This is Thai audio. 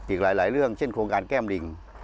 อีกหลายเรื่องเช่นโครงการแก้มลิง